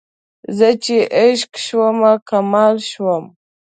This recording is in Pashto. زه چې عشق شومه کمال شوم